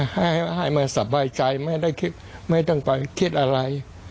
ให้มาสบายใจไม่ต้องไปคิดอะไร